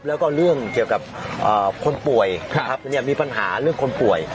แล้วก็เรื่องเกี่ยวกับคนป่วยมีปัญหาเรื่องคนป่วย